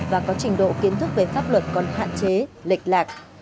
và có trình độ kiến thức về pháp luật còn hạn chế lệch lạc